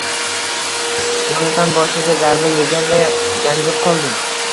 — Jonatan boshiga zarba yeganday gangib qoldi.